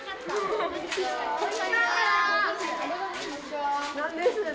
こんにちは。